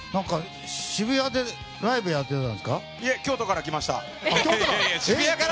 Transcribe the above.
渋谷でライブやってたんですか。